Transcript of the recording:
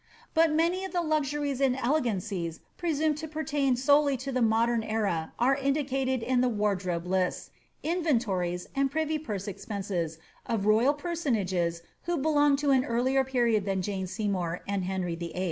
But many of the luxu ries and elegancies presumed to pertain solely to the modern era are indicated in the wardrobe lists, inventories, and privy purse expenses of roval personages who belonged to an earlier period than Jane Sevmour and Henry VIII.